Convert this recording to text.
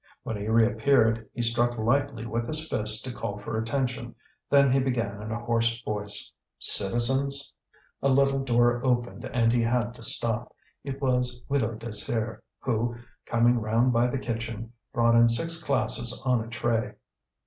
When he reappeared he struck lightly with his fist to call for attention; then he began in a hoarse voice: "Citizens!" A little door opened and he had to stop. It was Widow Désir who, coming round by the kitchen, brought in six glasses on a tray.